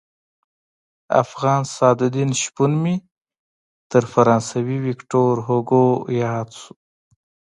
افغان سعدالدین شپون مې تر فرانسوي ویکتور هوګو ياد شو.